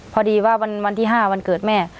พอดีว่าวันที่๕วันเกิดแม่